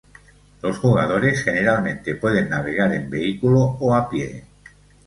Los jugadores generalmente pueden navegar en vehículo o a pie.